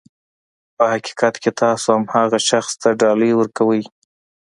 په حقیقت کې تاسو هماغه شخص ته ډالۍ ورکوئ.